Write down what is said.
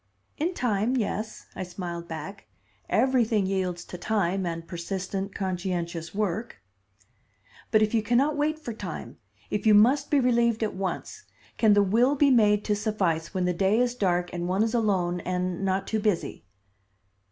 "In time, yes," I smiled back. "Everything yields to time and persistent conscientious work." "But if you can not wait for time, if you must be relieved at once, can the will be made to suffice, when the day is dark and one is alone and not too busy?"